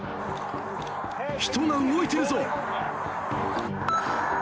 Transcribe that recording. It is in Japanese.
人が動いてるぞ。